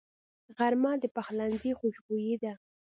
غرمه د پخلنځي خوشبويي ده